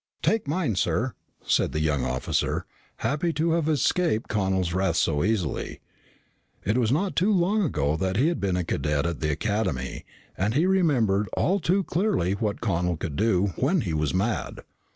"Take mine, sir," said the young officer, happy to have escaped Connel's wrath so easily. It was not too long ago that he had been a cadet at the Academy and he remembered all too clearly what Connel could do when he was mad.